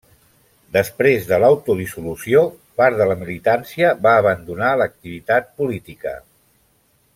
Després de l'autodissolució, part de la militància va abandonar l'activitat política.